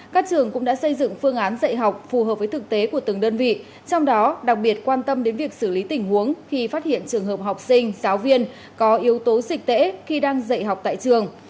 các trường cũng đã xây dựng phương án dạy học phù hợp với thực tế của từng đơn vị trong đó đặc biệt quan tâm đến việc xử lý tình huống khi phát hiện trường hợp học sinh giáo viên có yếu tố dịch tễ khi đang dạy học tại trường